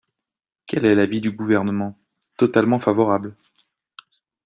Quel est l’avis du Gouvernement ? Totalement favorable.